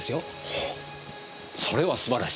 おおそれは素晴らしい。